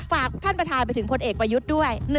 ฝากท่านประธานไปถึงพลเอกประยุทธ์ด้วย